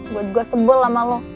gue juga sebel sama lo